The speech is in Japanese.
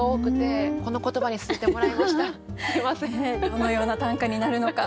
どのような短歌になるのか。